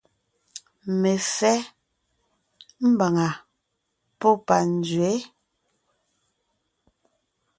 Mefɛ́ (mbàŋa pɔ́ panzwě ).